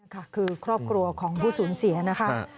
ค่ะคือครอบครัวของผู้สูญเสียนะคะ